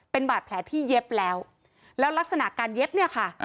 เป็นบาดแผลที่เย็บแล้วแล้วลักษณะการเย็บเนี่ยค่ะ